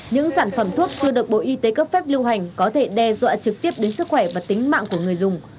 những sản phẩm thuốc chưa được bộ y tế cấp phép lưu hành có thể đe dọa trực tiếp đến sức khỏe và tính mạng của người dùng